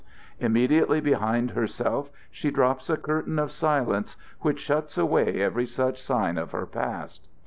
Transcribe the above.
Immediately behind herself she drops a curtain of silence which shuts away every such sign of her past.